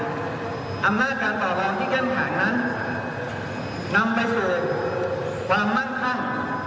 อำนาจการต่อรองที่เข้มแข็งนั้นนำไปสู่ความมั่งคั่ง